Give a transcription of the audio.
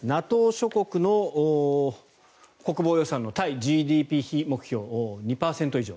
ＮＡＴＯ諸国の国防予算の対ＧＤＰ比目標２％以上。